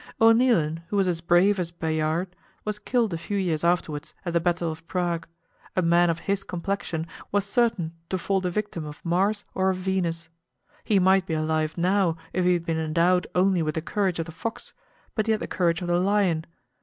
O'Neilan, who was as brave as Bayard, was killed a few years afterwards at the battle of Prague. A man of his complexion was certain to fall the victim of Mars or of Venus. He might be alive now if he had been endowed only with the courage of the fox, but he had the courage of the lion.